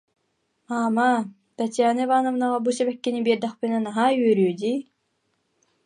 Маама, Татьяна Ивановнаҕа бу сибэккини биэрдэхпинэ наһаа үөрүө дии